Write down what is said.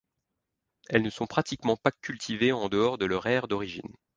Elles ne sont pratiquement pas cultivées en dehors de leur aire d'origine.